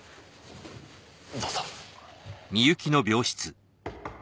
どうぞ。